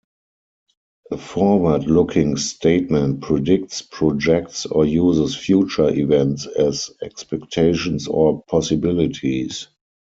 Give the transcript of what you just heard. A forward-looking statement predicts, projects, or uses future events as expectations or possibilities.